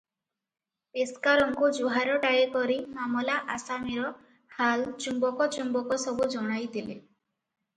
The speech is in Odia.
ପେସ୍କାରଙ୍କୁ ଜୁହାରଟାଏ କରି ମାମଲା ଆସାମୀର ହାଲ ଚୁମ୍ବକ ଚୁମ୍ବକ ସବୁ ଜଣାଇ ଦେଲେ ।